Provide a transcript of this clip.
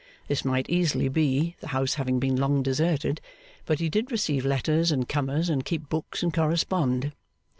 This might easily be, the house having been long deserted; but he did receive letters, and comers, and keep books, and correspond.